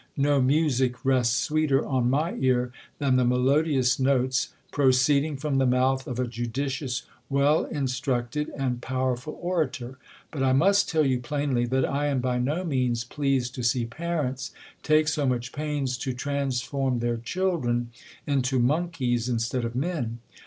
No music rests sweeter on my ear than the melodious notes, proceeding from the mouth of a judicious, \. ell instruct ed. THE COLUMBIAN ORATOR. 191 ed, and powerful orator. But I must tell you plainly, that I am by no means pleased to see parents take so much pains to transform their children into monkeys instead of men.